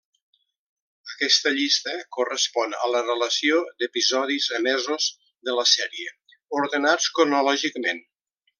Aquesta llista correspon a la relació d'episodis emesos de la sèrie, ordenats cronològicament.